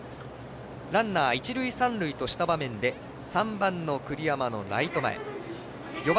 ランナー、一塁三塁とした場面で４番の栗山のライト前。